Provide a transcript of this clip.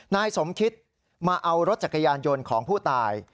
นายสมคิตมาเอารถจักรยานยนต์ของผู้ตาย